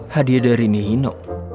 hadiah dari nino